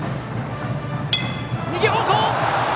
右方向！